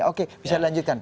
oke bisa dilanjutkan